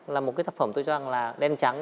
là một cái tác phẩm tôi cho rằng là đen trắng